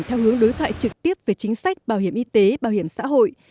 theo hướng đối thoại trực tiếp về chính sách bảo hiểm y tế bảo hiểm xã hội